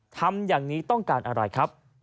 ทำอย่างนี้ต้องการอะไรครับ